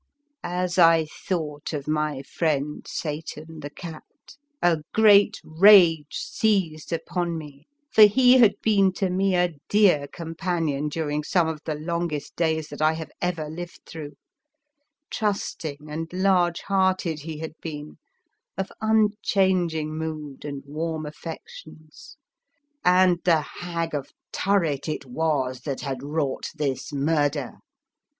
As I thought of my friend, Satan, the cat, a great rage seized upon me, for he had been to me a dear compan ion during some of the longest days that I have ever lived through — trust ing and large hearted he had been, of unchanging mood and warm affections, and the Hag of Turret it was that had wrought this murder!